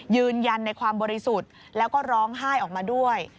ยืนยันในความบริสุทธิ์แล้วก็ร้องไห้ออกมาด้วย